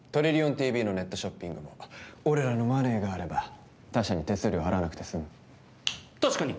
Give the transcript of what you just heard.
ＴＶのネットショッピングも俺らのマネーがあれば他社に手数料を払わなくて済む確かに！